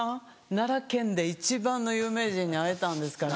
奈良県で一番の有名人に会えたんですから。